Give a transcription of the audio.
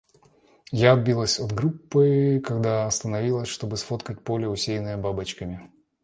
Я отбилась от группы, когда остановилась, чтобы сфоткать поле, усеянное бабочками.